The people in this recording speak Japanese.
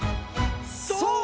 そう！